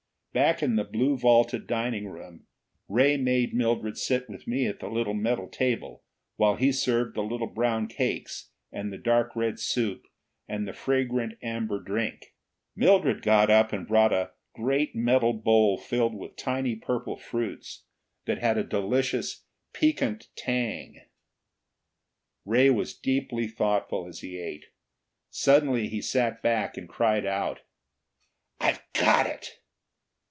Back in the blue vaulted dining room, Ray made Mildred sit with me at the little metal table while he served the little brown cakes and the dark red soup and the fragrant amber drink. Mildred got up and brought a great metal bowl filled with tiny purple fruits that had a delicious, piquant tang. Ray was deeply thoughtful as he ate. Suddenly he sat back and cried out: "I've got it!"